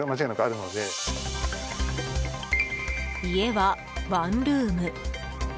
家はワンルーム。